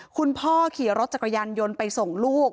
คุณพ่อขี่รถจักรยานยนต์ไปส่งลูก